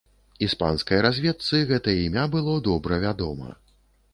Іспанскай разведцы гэта імя было добра вядома.